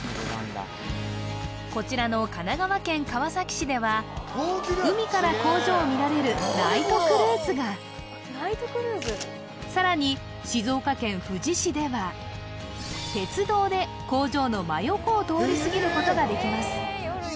こちらの神奈川県川崎市では海から工場を見られるさらに静岡県富士市では鉄道で工場の真横を通り過ぎることができます